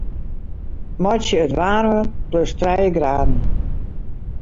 Meitsje it waarmer plus trije graden.